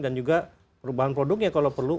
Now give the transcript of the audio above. dan juga perubahan produknya kalau perlu